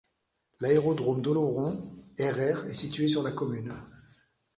L’aérodrome d'Oloron - Herrère est situé sur la commune.